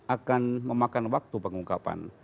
akan memakan waktu pengungkapan